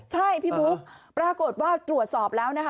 ใช่พี่บุ๊คปรากฏว่าตรวจสอบแล้วนะคะ